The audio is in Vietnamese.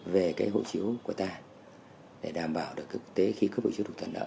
về cái hộ chiếu của ta để đảm bảo được thực tế khi cấp hộ chiếu được thuận nợ